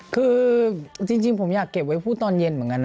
คือจริงผมอยากเก็บไว้พูดตอนเย็นเหมือนกันนะ